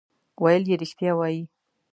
ویل یې رښتیا وایې.